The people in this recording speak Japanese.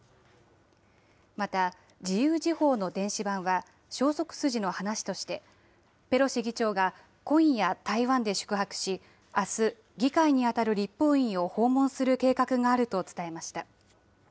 また、自由時報の電子版は、消息筋の話として、ペロシ議長が今夜、台湾で宿泊し、あす、議会に当たる立法院を訪問する計画があると伝えました。